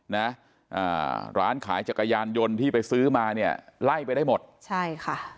นะอ่าร้านขายจักรยานยนต์ที่ไปซื้อมาเนี่ยไล่ไปได้หมดใช่ค่ะ